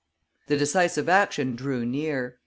The decisive action drew near.